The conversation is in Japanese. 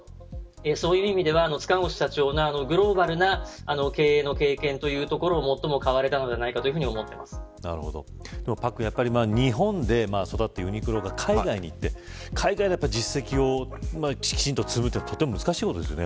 そういう意味では塚越さんのグローバルな経営の経験というところを最も買われたのではないか日本で育ったユニクロが海外に行って海外での実績をきちんと積むというのは難しいことですよね。